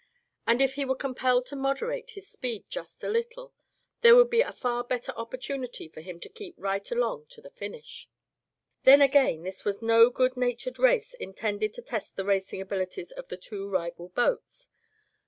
And if he were compelled to moderate his speed just a little, there would be a far better opportunity for him to keep right along to the finish. Then again, this was no good natured race intended to test the racing abilities of the two rival boats.